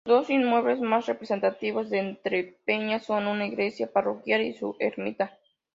Los dos inmuebles más representativos de Entrepeñas son su iglesia parroquial y su ermita.